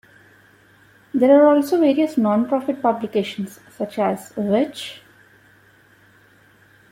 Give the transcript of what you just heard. There are also various non-profit publications, such as Which?